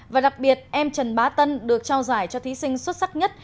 và đặc biệt em trần bá tân được trao giải cho thí sinh xuất sắc nhất